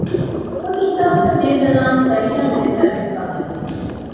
ވަކި ހިސާބަކަށް ދިޔަތަނާ ފަރީނާގެ ދެފައި ބިމުގައި ހަރުވެއްޖެ